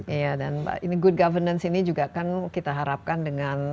iya dan ini good governance ini juga kan kita harapkan dengan